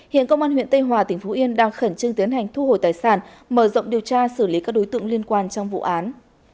hiện công an huyện tây hòa tỉnh phú yên đang khẩn trương tiến hành thu hồi tài sản mở rộng điều tra xử lý các đối tượng liên quan trong vụ án